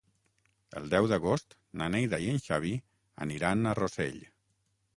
El deu d'agost na Neida i en Xavi aniran a Rossell.